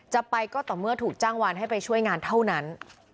จะไปก็ต่อเมื่อถูกจ้างวานให้ไปช่วยงานเท่านั้น